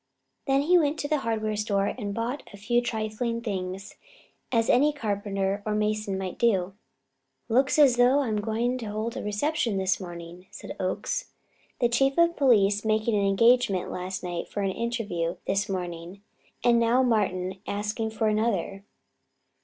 Then he went to the hardware store and bought a few trifling things, as any carpenter or mason might do. "Looks as though I am going to hold a reception this morning," said Oakes: "The Chief of Police making an engagement last night for an interview this morning, and now Martin asking for another."